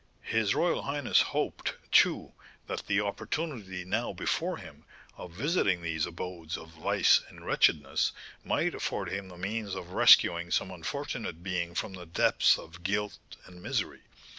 His royal highness hoped, too, that the opportunity now before him, of visiting these abodes of vice and wretchedness, might afford him the means of rescuing some unfortunate being from the depths of guilt and misery.